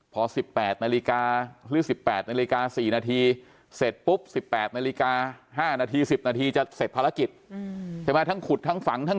พอ๑๘นาลีกาหรือ๑๘นาลีกา๔นาที